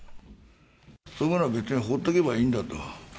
そんなものは別に放っておけばいいんだと。